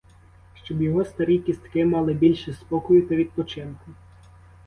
Щоб його старі кістки мали більше спокою та відпочинку.